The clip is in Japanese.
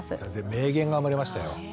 名言が生まれましたよ。